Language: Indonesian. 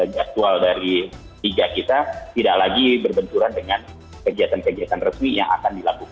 jadwal dari tiga kita tidak lagi berbenturan dengan kegiatan kegiatan resmi yang akan dilakukan